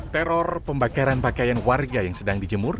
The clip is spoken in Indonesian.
teror pembakaran pakaian warga yang sedang dijemur